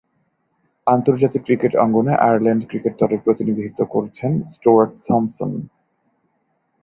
আন্তর্জাতিক ক্রিকেট অঙ্গনে Ireland cricket দলের প্রতিনিধিত্ব করছেন স্টুয়ার্ট থম্পসন।